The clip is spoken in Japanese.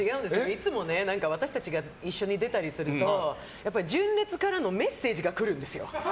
いつも私たちが一緒に出たりすると純烈からのメッセージが来るんですよ。